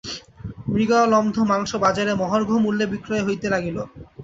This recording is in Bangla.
মৃগয়ালব্ধ মাংস বাজারে মহার্ঘ মূল্যে বিক্রয় হইতে লাগিল।